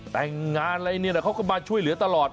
แต่งงานอะไรเนี่ยนะเขาก็มาช่วยเหลือตลอด